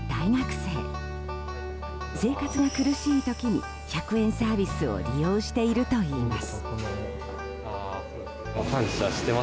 生活が苦しい時に１００円サービスを利用しているといいます。